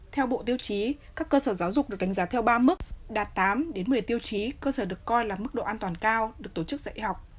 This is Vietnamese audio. theo bộ tiêu chí các cơ sở giáo dục được đánh giá theo ba mức đạt tám một mươi tiêu chí cơ sở được coi là mức độ an toàn cao được tổ chức dạy học